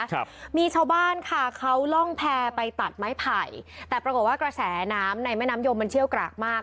ครับมีชาวบ้านค่ะเขาล่องแพร่ไปตัดไม้ไผ่แต่ปรากฏว่ากระแสน้ำในแม่น้ำยมมันเชี่ยวกรากมาก